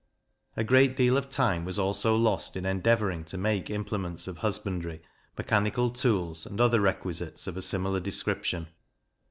A great deal of time was also lost in endeavouring to make implements of husbandry, mechanical tools, and other requisites of a similar description.